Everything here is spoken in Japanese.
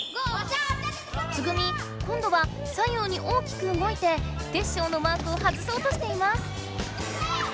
ツグミこんどは左右に大きくうごいてテッショウのマークを外そうとしています。